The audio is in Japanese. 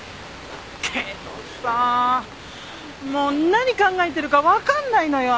けどさもう何考えてるかわかんないのよ